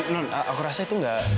nol aku rasa itu gak